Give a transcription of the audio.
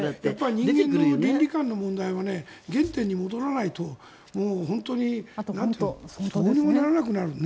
人間の倫理観の問題も原点に戻らないともう本当にどうにもならなくなるもんね。